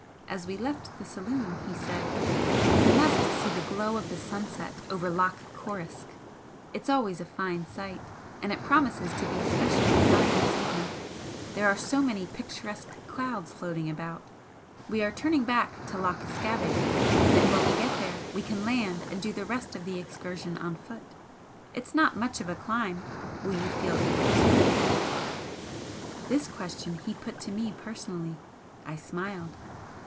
As we left the saloon he said: "You must see the glow of the sunset over Loch Coruisk. It's always a fine sight and it promises to be specially fine this evening, there are so many picturesque clouds floating about. We are turning back to Loch Scavaig, and when we get there we can land and do the rest of the excursion on foot. It's not much of a climb; will you feel equal to it?" This question he put to me personally. I smiled.